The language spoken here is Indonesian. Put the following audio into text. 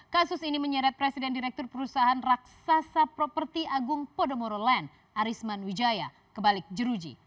kasus ini menyeret presiden direktur perusahaan raksasa properti agung podomoro land arisman wijaya kebalik jeruji